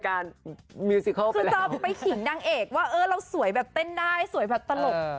คือจะไปขิงนางเอกว่าเออเราสวยแบบเต้นได้สวยแบบตลก